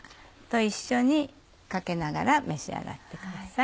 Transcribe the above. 一緒にかけながら召し上がってください。